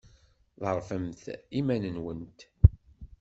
Ḍerrfemt iman-nwent.